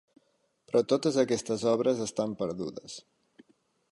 Però totes aquestes obres estan perdudes.